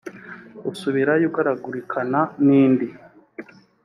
usubirayo ukagarukana n indi